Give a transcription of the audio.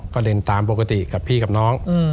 ก็เล่นตามปกติกับพี่กับน้อง